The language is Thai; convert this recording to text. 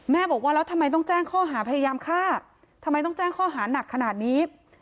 บอกว่าแล้วทำไมต้องแจ้งข้อหาพยายามฆ่าทำไมต้องแจ้งข้อหานักขนาดนี้